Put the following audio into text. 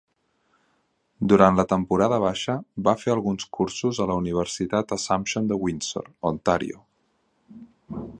Durant la temporada baixa, va fer alguns cursos a la Universitat Assumption de Windsor (Ontario).